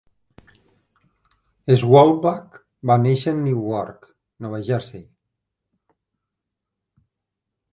Schwalbach va néixer a Newark, Nova Jersey.